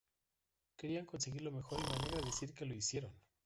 Querían conseguir lo mejor y me alegra decir que lo hicieron.